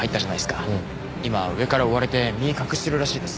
今上から追われて身隠してるらしいです。